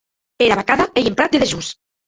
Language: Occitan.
Era vacada ei en prat de dejós.